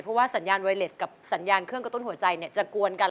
เพราะว่าสัญญาณไวเล็ตกับสัญญาณเครื่องกระตุ้นหัวใจจะกวนกัน